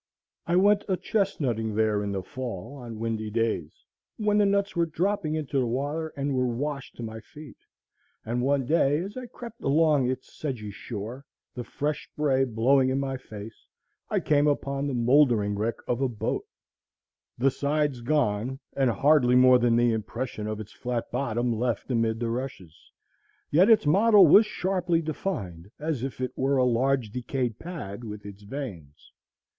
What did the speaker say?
I went a chestnutting there in the fall, on windy days, when the nuts were dropping into the water and were washed to my feet; and one day, as I crept along its sedgy shore, the fresh spray blowing in my face, I came upon the mouldering wreck of a boat, the sides gone, and hardly more than the impression of its flat bottom left amid the rushes; yet its model was sharply defined, as if it were a large decayed pad, with its veins.